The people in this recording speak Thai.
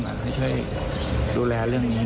ให้ช่วยดูแลเรื่องนี้หน่อย